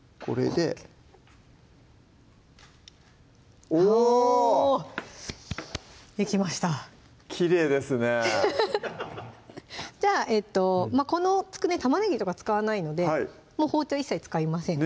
できましたきれいですねじゃあこのつくねたまねぎとか使わないので包丁一切使いません